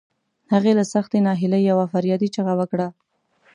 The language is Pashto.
هغې له سختې ناهيلۍ يوه فریادي چیغه وکړه.